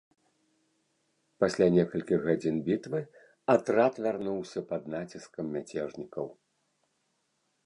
Пасля некалькіх гадзін бітвы атрад вярнуўся пад націскам мяцежнікаў.